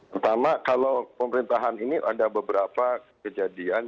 pertama kalau pemerintahan ini ada beberapa kejadian